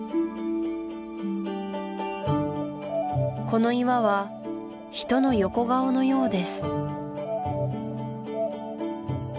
この岩は人の横顔のようです